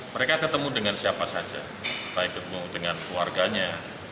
mereka ketemu dengan siapa saja baik ketemu dengan keluarganya